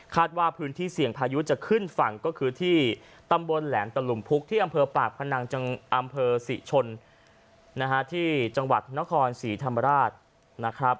ว่าพื้นที่เสี่ยงพายุจะขึ้นฝั่งก็คือที่ตำบลแหลมตะหลุมพุกที่อำเภอปากพนังอำเภอศรีชนนะฮะที่จังหวัดนครศรีธรรมราชนะครับ